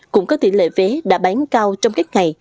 cũng có tỷ lệ vé đã bán cao trong các ngày